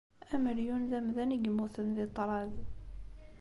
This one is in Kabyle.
Amelyun d amdan i yemmuten di ṭṭrad.